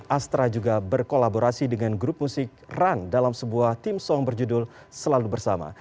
astra juga berkolaborasi dengan grup musik run dalam sebuah tim song berjudul selalu bersama